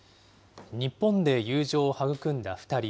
日本で友情を育んだ２人。